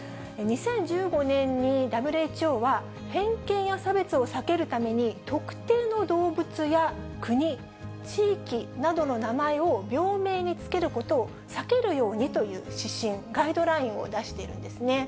２０１５年にＷＨＯは、偏見や差別を避けるために、特定の動物や国・地域などの名前を病名に付けることを避けるようにという指針、ガイドラインを出しているんですね。